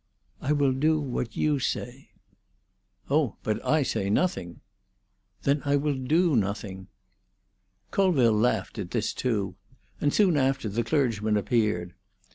"I will do what you say." "Oh, but I say nothing." "Then I will do nothing." Colville laughed at this too, and soon after the clergyman appeared.